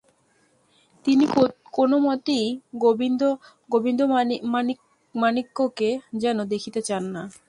তিনি কোনোমতেই গোবিন্দমাণিক্যকে যেন দেখিতে চান না।